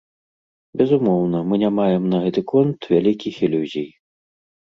Безумоўна, мы не маем на гэты конт вялікіх ілюзій.